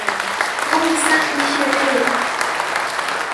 Ko mesa michĩeterei.